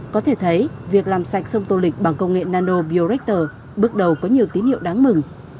có thể thấy việc làm sạch sông thu thịch bằng công nghệ nanobiorector bước đầu có nhiều tín hiệu đáng mừng